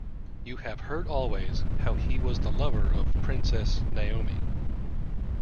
You have heard always how he was the lover of the Princess Naomi.